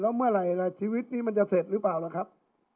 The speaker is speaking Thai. แล้วเมื่อไหร่ล่ะชีวิตนี้มันจะเสร็จหรือเปล่าล่ะครับ